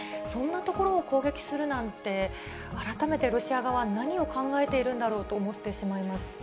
そんな所を攻撃するなんて、改めてロシア側、何を考えているんだろうと思ってしまいます。